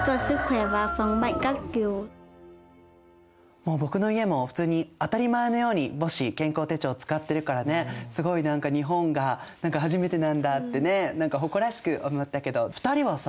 もう僕の家も普通に当たり前のように母子健康手帳を使ってるからねすごい何か日本が何か初めてなんだってね何か誇らしく思ったけど２人はさ